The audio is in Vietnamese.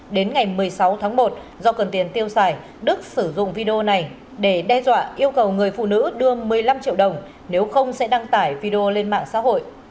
đến ngày một mươi sáu tháng một do cần tiền tiêu xài đức sử dụng video này để đe dọa yêu cầu người phụ nữ đưa một mươi năm triệu đồng nếu không sẽ đăng tải video lên mạng xã hội